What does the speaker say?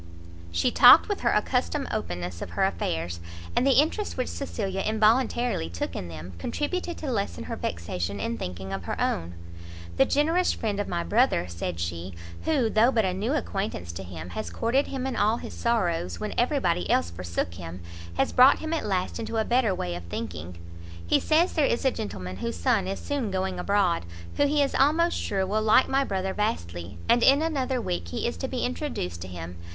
She talked with her accustomed openness of her affairs, and the interest which Cecilia involuntarily took in them, contributed to lessen her vexation in thinking of her own. "The generous friend of my brother," said she, "who, though but a new acquaintance to him, has courted him in all his sorrows, when every body else forsook him, has brought him at last into a better way of thinking. He says there is a gentleman whose son is soon going abroad, who he is almost sure will like my brother vastly, and in another week, he is to be introduced to him.